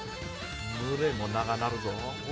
群れも長なるぞ。